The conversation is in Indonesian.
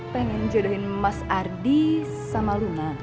pengen jodohin mas ardi sama luna